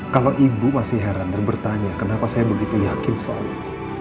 kalau ibu masih heran dan bertanya kenapa saya begitu yakin soal itu